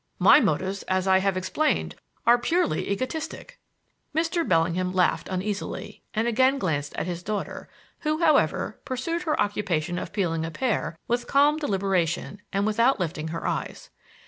My motives, as I have explained, are purely egoistic." Mr. Bellingham laughed uneasily and again glanced at his daughter, who, however, pursued her occupation of peeling a pear with calm deliberation and without lifting her eyes.